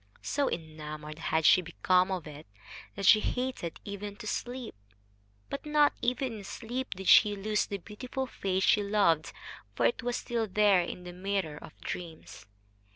So enamored had she become of it, that she hated even to sleep; but not even in sleep did she lose the beautiful face she loved, for it was still there in the mirror of dreams.